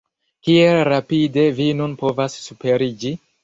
Kiel rapide vi nun povas superiĝi!